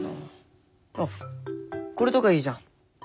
あっこれとかいいじゃん。